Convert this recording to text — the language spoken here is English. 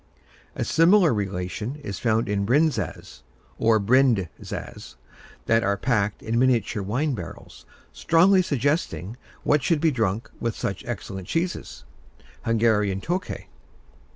A similar relation is found in Brinzas (or Brindzas) that are packed in miniature wine barrels, strongly suggesting what should be drunk with such excellent cheeses: Hungarian Tokay.